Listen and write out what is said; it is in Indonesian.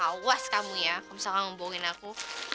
awas kamu ya kau misalkan ngebohongin aku